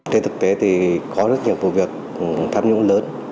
trên thực tế thì có rất nhiều vụ việc tham nhũng lớn